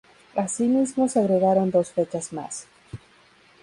Así mismo se agregaron dos fechas más.